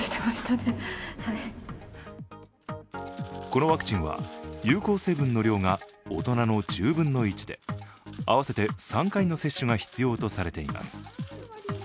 このワクチンは有効成分の量が大人の１０分の１で合わせて３回の接種が必要とされています。